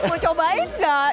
mau cobain gak